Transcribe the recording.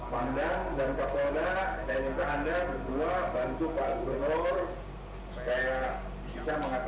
pandang dan kapolda saya minta anda berdua bantu pak anwar